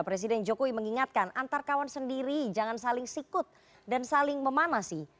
presiden jokowi mengingatkan antar kawan sendiri jangan saling sikut dan saling memanasi